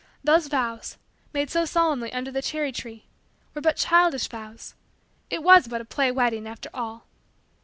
Those vows, made so solemnly under the cherry tree, were but childish vows. It was but a play wedding, after all.